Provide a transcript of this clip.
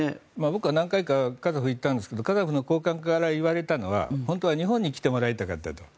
僕は何回かカザフに行ったんですがカザフの高官から言われたのは本当は日本に来てもらいたかったと。